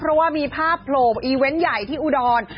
เพราะว่ามีภาพโผล่อีเวนต์ใหญ่ที่อุดร